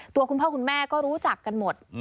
คุณพ่อคุณแม่ก็รู้จักกันหมด